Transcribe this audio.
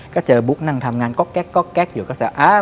ก็เจอบุ๊คนั่งทำงานก็แก๊ะอยู่ก็สาร